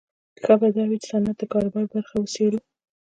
ښه به دا وي چې د صنعت د کاروبار برخه وڅېړو